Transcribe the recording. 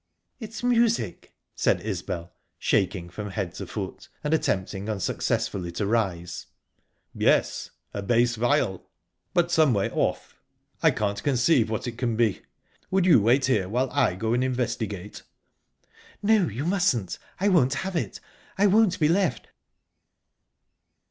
"It's music!" said Isbel, shaking from head to foot, and attempting unsuccessfully to rise. "Yes...A bass viol but some way off. I can't conceive what it can be. Would you wait here while I go and investigate?" "No, you mustn't I won't have it! I won't be left..."